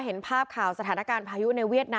หนักมากเลยว่าไม่เคยเจอลูกไม่เคยเจอ